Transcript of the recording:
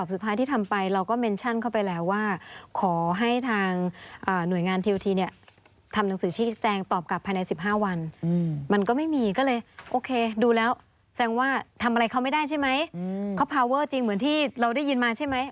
อะไรเขาไม่ได้ใช่ไหมเขาพาเวอร์จริงเหมือนที่เราได้ยินมาใช่ไหม